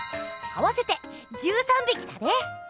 合わせて１３びきだね！